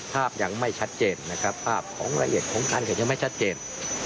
ภาพยังไม่ชัดเจนนะครับภาพของละเอียดของการเกิดยังไม่ชัดเจน